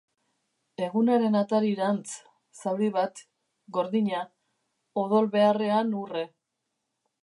Egunaren atarirantz, zauri bat, gordina, odol beharrean urre.